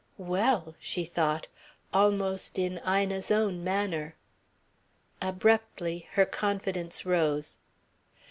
"Well!" she thought, almost in Ina's own manner. Abruptly her confidence rose.